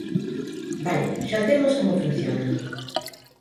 Vale, xa temos como funciona.